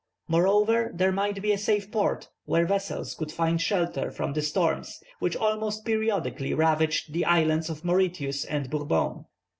Moreover, there might be a safe port, where vessels could find shelter from the storms which almost periodically ravaged the islands of Mauritius and Bourbon.